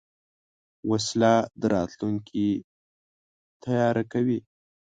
وسله د راتلونکي تیاره کوي